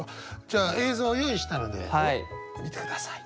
じゃあ映像用意したので見て下さい。